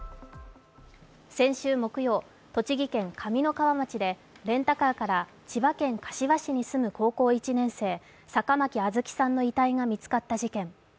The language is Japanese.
先週木曜、栃木県上三川町でレンタカーから千葉県柏市に住む高校１年生、坂巻杏月さんの遺体が見つかった事件。